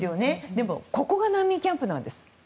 でもここが難民キャンプなんです。